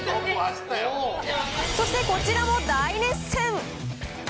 そしてこちらも大熱戦。